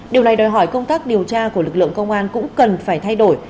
điều này đòi hỏi công tác điều tra của lực lượng công an cũng cần phải thay đổi